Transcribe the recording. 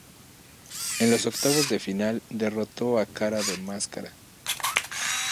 En los Octavos de final derrotó a Cara de Máscara.